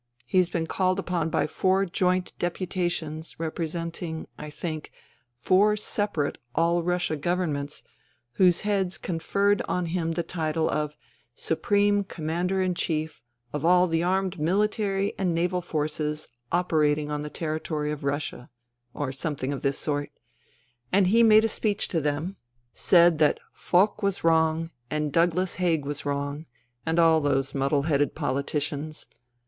He has been called upon by four joint deputations representing, I think, four separate All Russia Governments whose heads con ferred on him the title of ' Supreme Commander in Chief of All the Armed Military and Naval Forces operating on the Territory of Russia,' or something of this sort. And he made a speech to them ; said 120 FUTILITY that Foch was wrong and Douglas Haig was wrong, and all those muddle headed politicians